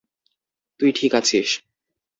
তুই ঠিক আছিস।